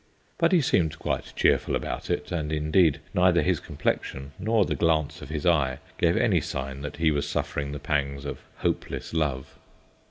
But he seemed quite cheerful about it, and indeed neither his complexion nor the glance of his eye gave any sign that he was suffering the pangs of hopeless love.